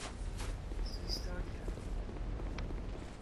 Su historia.